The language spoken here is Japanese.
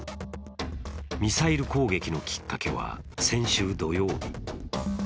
ミサイル攻撃のきっかけは先週土曜日。